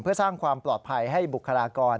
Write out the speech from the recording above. เพื่อสร้างความปลอดภัยให้บุคลากร